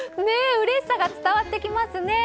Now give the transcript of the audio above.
うれしさが伝わってきますね。